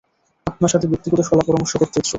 আপনার সাথে ব্যক্তিগত শলাপরামর্শ করতে ইচ্ছুক।